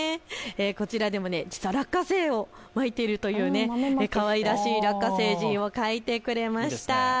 こちらでも実は落花生をまいているというかわいらしいラッカ星人を描いてくれました。